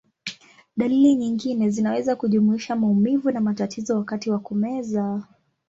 Dalili nyingine zinaweza kujumuisha maumivu na matatizo wakati wa kumeza.